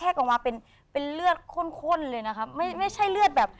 แคล็กออกมาเป็นเลือดข้นเลยนะครับ